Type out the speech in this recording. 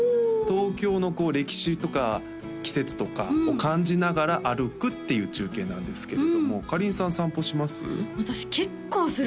東京のこう歴史とか季節とかを感じながら歩くっていう中継なんですけれどもかりんさん散歩します？